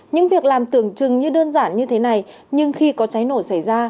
những việc làm tưởng chừng như đơn giản như thế này nhưng khi có cháy nổ xảy ra